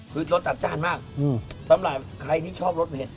คือรสจัดจ้านมากสำหรับใครที่ชอบรสเผ็ด